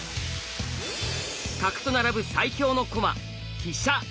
角と並ぶ最強の駒飛車。